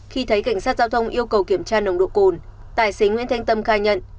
khi thấy cảnh sát giao thông yêu cầu kiểm tra nồng độ cồn tài xế nguyễn thanh tâm khai nhận